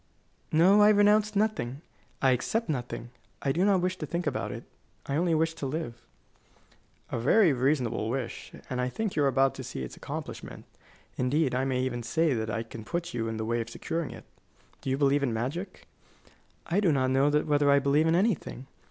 "No; I renounce nothing, I accept nothing. I do not wish to think about it. I only wish to live." "A very reasonable wish, and I think you are about to see its accomplishment. Indeed, I may even say that I can put you in the way of securing it. Do you believe in magic?" "I do not know whether I believe in anything.